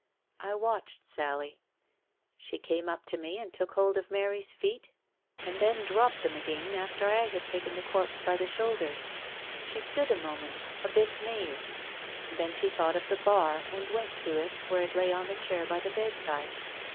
I watched Sally. She came up to me and took hold of Mary's feet, and then dropped them again after I had taken the corpse by the shoulders. She stood a moment, a bit mazed, then she thought of the bar and went to it where it lay on the chair by the bedside.